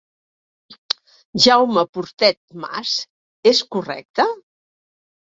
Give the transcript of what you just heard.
Jaume Portet Mas, és correcte?